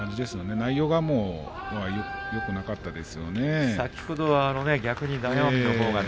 内容がよくなかったです。